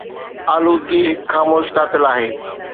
آلودگي هڪ خاموش قاتل آهي.